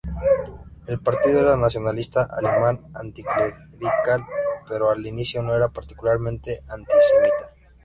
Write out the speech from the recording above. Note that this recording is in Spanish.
El partido era nacionalista alemán y anticlerical, pero al inicio no era particularmente antisemita.